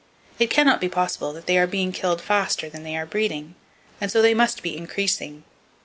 It can not be possible that they are being killed faster than they are breeding; and so they must be increasing.